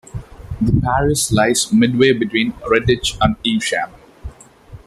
The parish lies midway between Redditch and Evesham.